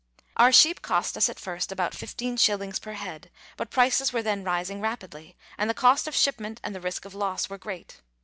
Our sheep cost us at first about 15s. per head, but prices were then rising rapidly, and the cost of shipment and the risk of loss were great.